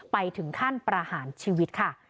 ถึงขั้นประหารชีวิตค่ะ